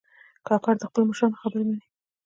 کاکړ د خپلو مشرانو خبرې منې.